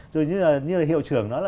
rồi như là hiệu trưởng